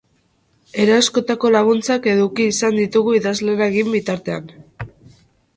Era askotako laguntzak eduki izan ditugu idazlana egin bitartean.